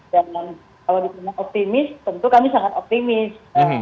dan kalau diturunkan optimis tentu kami sangat optimis